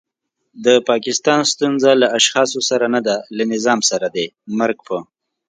د پاکستان ستونزه له اشخاصو سره نده له نظام سره دی. مرګ په